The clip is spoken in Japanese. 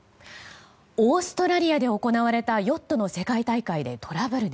オーストラリアで行われたヨットの世界大会でトラブル。